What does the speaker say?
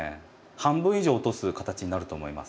半分以上落とす形になると思います。